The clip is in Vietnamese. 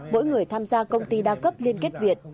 mỗi người tham gia công ty đa cấp liên kết việt